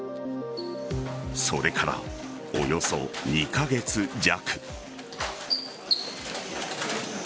それからおよそ２カ月弱。